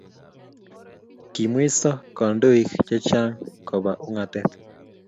kimweiso kandoik chechang koba ungatet